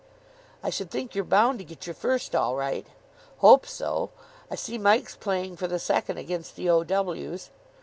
"I should think you're bound to get your first all right." "Hope so. I see Mike's playing for the second against the O.W.